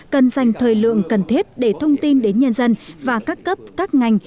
cần dành thời lượng cần thiết để thông tin đến nhân dân và các cấp các ngành